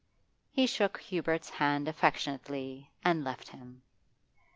He shook Hubert's hand affectionately and left him.